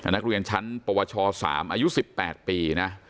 นักเรียนชั้นปวช๓อายุ๑๘ปีนะ